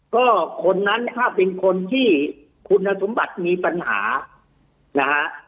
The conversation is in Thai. ก็คนนั้นถ้าเป็นคนที่คุณสมบัติมีปัญหานะฮะ